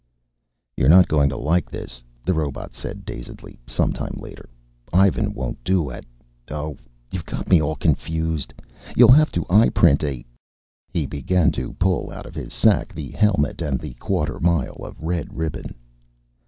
"You're not going to like this," the robot said dazedly, sometime later. "Ivan won't do at ... oh, you've got me all confused. You'll have to eyeprint a " He began to pull out of his sack the helmet and the quarter mile of red ribbon.